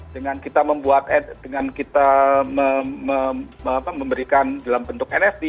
dengan kita memberikan dalam bentuk nft